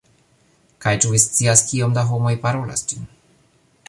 Kaj ĉu vi scias kiom da homoj parolas ĝin?